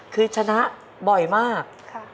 คือชนะบ่อยมาก